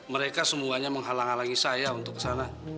mereka semuanya menghalang halangi saya untuk kesana